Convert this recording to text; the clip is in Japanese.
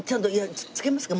つけますか？